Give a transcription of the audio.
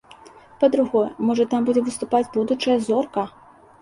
Па-другое, можа, там будзе выступаць будучая зорка.